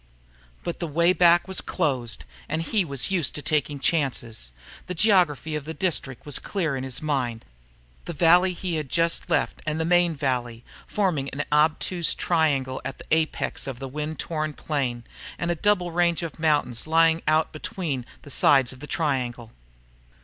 But the way back was closed and he was used to taking chances. The geography of the district was clear in his mind the valley he had just left and the main valley, forming an obtuse angle with the apex out on the wind torn plain and a double range of mountains lying out between the sides of the triangle.